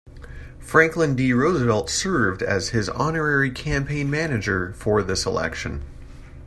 Franklin D. Roosevelt served as his honorary campaign manager for this election.